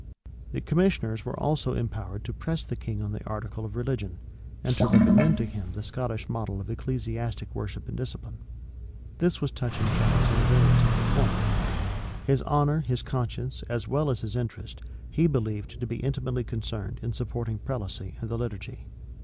The commissioners were also empowered to press the king on the article of religion, and to recommend to him the Scottish model of ecclesiastic worship and discipline. This was touching Charles in a very tender point: his honor his conscience, as well as his interest, he believed to be intimately concerned in supporting prelacy and the liturgy.